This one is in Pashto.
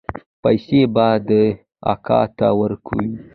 پيسې به دې اکا ته ورکوې.